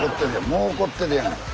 もう怒ってるやん。